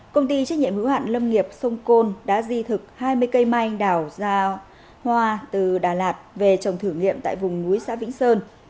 công ty trách nhiệm hữu hạn lâm nghiệp sông côn đã di thực hai mươi cây mai anh đào ra hoa từ đà lạt về trồng thử nghiệm tại vùng núi xã vĩnh sơn